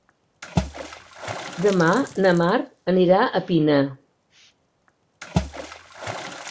Demà na Mar anirà a Pina.